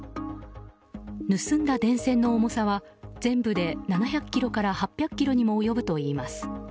盗んだ電線の重さは全部で７００ｋｇから８００ｋｇにも及ぶといいます。